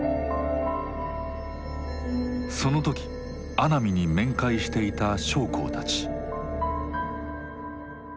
その時阿南に面会していた将校たち。